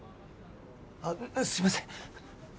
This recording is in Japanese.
あっすいません。